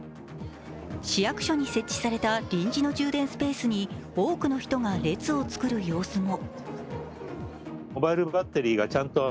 市役所に設置された臨時の充電スペースに多くの人が列を作る様子も。